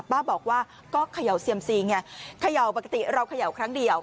ป้าบอกว่าก็เขย่าเซียมซีไงเขย่าปกติเราเขย่าครั้งเดียว